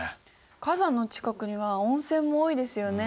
火山の近くには温泉も多いですよね。